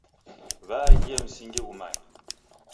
W'aaghie msingi ghumange.